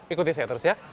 ikuti saya terus ya